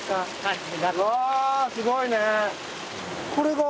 わすごいね。